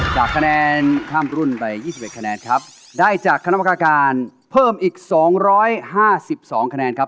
จากคะแนนข้ามรุ่นไปยี่สิบเอ็ดคะแนนครับได้จากคณะประการเพิ่มอีกสองร้อยห้าสิบสองคะแนนครับ